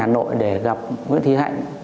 bay ra ngoài hà nội để gặp nguyễn thúy hạnh